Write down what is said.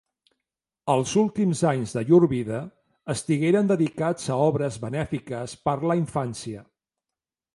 Els últims anys de llur vida estigueren dedicats a obres benèfiques per la infància.